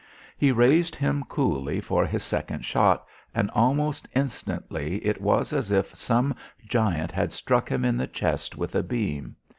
He raised him coolly for his second shot, and almost instantly it was as if some giant had struck him in the chest with a beam.